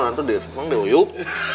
nanti memang dihuyuk